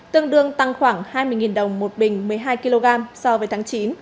tương đương tăng khoảng hai mươi đồng một bình một mươi hai kg so với tháng chín